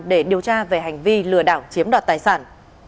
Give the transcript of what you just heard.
để điều tra về hành vi lừa đảo chiếm đoạt tài sản